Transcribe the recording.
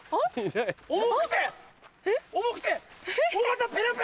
重くて重くて尾形。